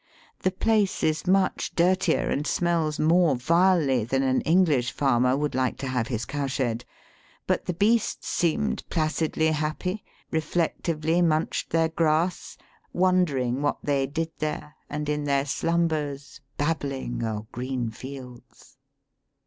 The place is much dirtier and smells more vilely than an English farmer would like to have his cowshed. But the beasts seemed placidly happy, reflectively munched their grass, wondering what they did there, and in their slumbers "babbling o' green fields."